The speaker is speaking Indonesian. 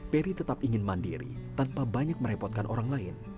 peri tetap ingin mandiri tanpa banyak merepotkan orang lain